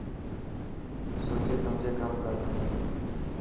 سوچي سمجهي ڪم ڪر.